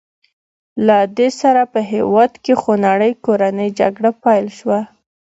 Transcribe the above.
له دې سره په هېواد کې خونړۍ کورنۍ جګړه پیل شوه.